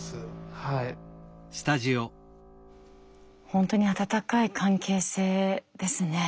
本当に温かい関係性ですね。